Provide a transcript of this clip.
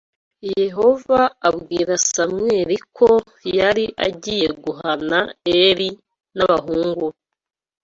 Yehova abwira Samweli ko yari agiye guhana Eli n’abahungu be